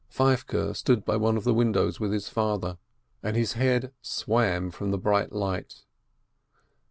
Feivke stood by one of the windows with his father, and his head swam from the bright light.